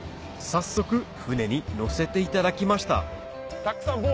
早速船に乗せていただきました